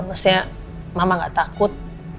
maksudnya mama nggak takut